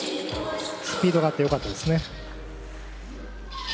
スピードがあってよかったですね。